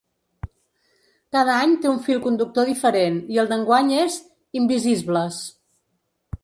Cada any té un fil conductor diferent i el d’enguany és ‘Invisisbles’.